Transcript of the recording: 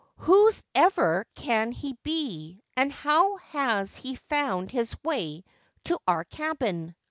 "Whose ever can he be and how has he found his way to our cabin?"